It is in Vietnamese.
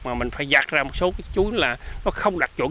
mà mình phải giặt ra một số cái chuối là nó không đạt chuẩn